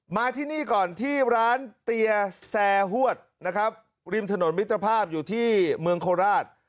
มาที่นี่ก่อนที่ร้านเตียแซร์หวดนะครับริมถนนมิตรภาพอยู่ที่เมืองโคราช